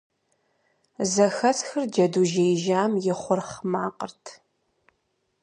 Зэхэсхыр джэду жеижам и хъурхъ макъырт.